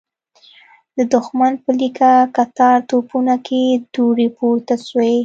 د دښمن په ليکه کتار توپونو کې دوړې پورته شوې.